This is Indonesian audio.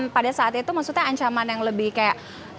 pada saat itu maksudnya ancaman yang lebih kayak